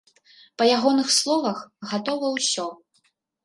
Па ягоных словах, гатова ўсё.